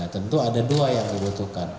tentu ada dua yang dibutuhkan